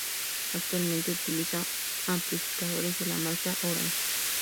Actualmente utiliza amplificadores de la marca Orange.